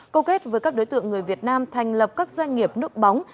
cầu kết với các đối tượng người việt nam thành lập các doanh nghiệp nước bóng